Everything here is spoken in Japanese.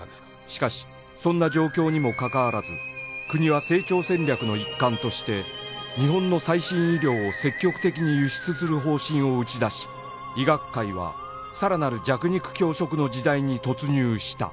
しかしそんな状況にもかかわらず国は成長戦略の一環として日本の最新医療を積極的に輸出する方針を打ち出し医学界はさらなる弱肉強食の時代に突入した